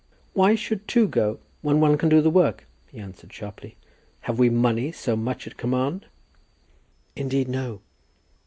"Why should two go when one can do the work?" he answered sharply. "Have we money so much at command?" "Indeed, no."